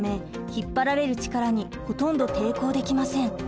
引っ張られる力にほとんど抵抗できません。